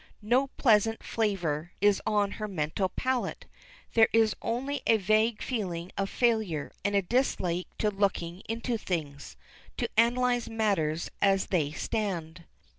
No pleasant flavor is on her mental palate; there is only a vague feeling of failure and a dislike to looking into things to analyze matters as they stand.